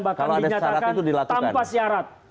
bahkan menyatakan tanpa syarat